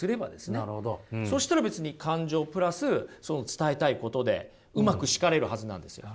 そしたら別に感情プラスその伝えたいことでうまく叱れるはずなんですよ。